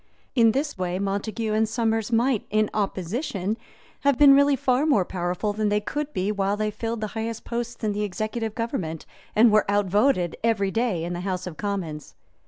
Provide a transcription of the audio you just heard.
In this way Montague and Somers might, in opposition, have been really far more powerful than they could be while they filled the highest posts in the executive government and were outvoted every day in the House of Commons.